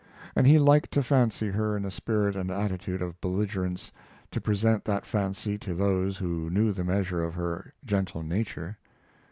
And he liked to fancy her in a spirit and attitude of belligerence, to present that fancy to those who knew the measure of her gentle nature.